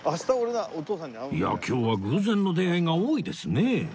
いやあ今日は偶然の出会いが多いですねえ